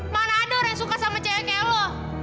mana ada orang yang suka sama cewek kayak lo